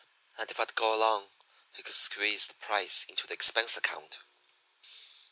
And if I'd go along he could squeeze the price into the expense account.